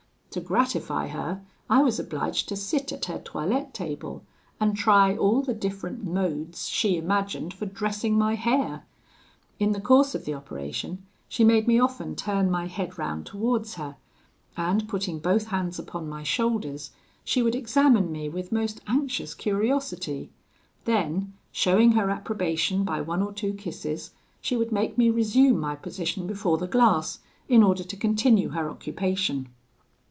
To gratify her, I was obliged to sit at her toilette table, and try all the different modes she imagined for dressing my hair. In the course of the operation, she made me often turn my head round towards her, and putting both hands upon my shoulders, she would examine me with most anxious curiosity: then, showing her approbation by one or two kisses, she would make me resume my position before the glass, in order to continue her occupation.